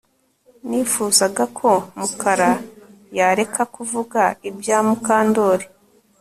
Nifuzaga ko Mukara yareka kuvuga ibya Mukandoli